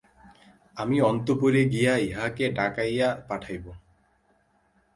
আমি অন্তঃপুরে গিয়া ইহাকে ডাকাইয়া পাঠাইব।